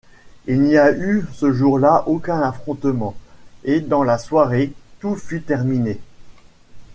Il n’y eut ce jour-là aucun affrontement, et dans la soirée, tout fut terminé.